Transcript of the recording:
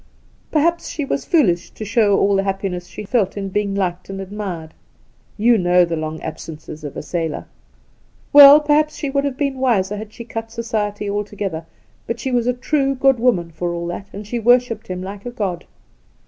Perhaps she was foolish to show all the happiness she felt in being liked and admired. You know the long absences of a sailor. Well, perhaps she would have been wiser had she cut society, altogether ; but she was a true, good woman, for all that, and she worshipped him like a god